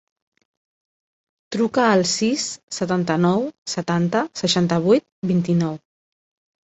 Truca al sis, setanta-nou, setanta, seixanta-vuit, vint-i-nou.